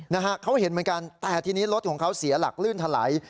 นะฮะเขาเห็นเหมือนกันแต่ทีนี้รถของเขาเสียหลักลื่นถลาย